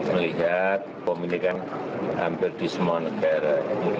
melihat komunikasi hampir di semua negara